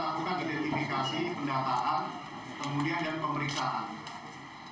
dari situ kita lakukan identifikasi pendataan kemudian dan pemeriksaan